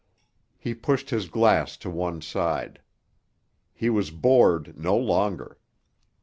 He pushed his glass to one side. He was bored no longer.